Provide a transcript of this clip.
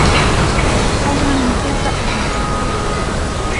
Hai unha limpeza étnica.